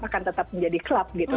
akan tetap menjadi klub gitu